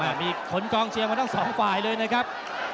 มีขนกองเชียร์มาทั้งสองฝ่ายเลยนะครับ